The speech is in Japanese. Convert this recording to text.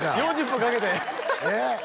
４０分かけてええ？